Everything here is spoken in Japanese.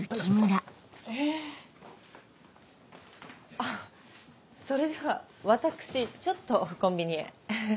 あっそれでは私ちょっとコンビニへ。